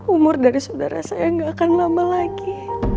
umur dari saudara saya gak akan lama lagi